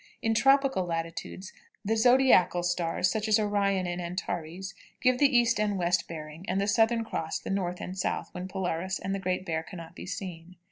In tropical latitudes, the zodiacal stars, such as Orion and Antares, give the east and west bearing, and the Southern Cross the north and south when Polaris and the Great Bear can not be seen.